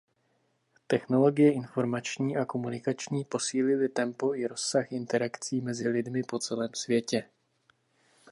Technologie informační a komunikační posílily tempo i rozsah interakcí mezi lidmi po celém světě.